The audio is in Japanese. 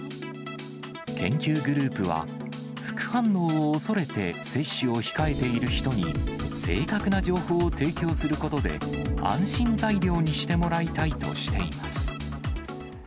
研究グループは、副反応を恐れて、接種を控えている人に、正確な情報を提供することで、安心材料にしてもらいたいとしています。